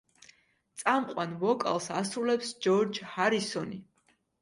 წამყვან ვოკალს ასრულებს ჯორჯ ჰარისონი.